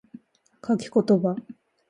書き言葉